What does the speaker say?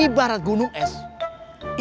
ini baru puncaknya saja yang terlihat berbeda